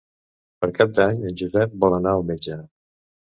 Per Cap d'Any en Josep vol anar al metge.